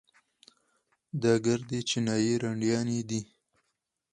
دا ګردې چينايي رنډيانې دي.